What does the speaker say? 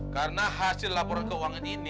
karena hasil laporan keuangan ini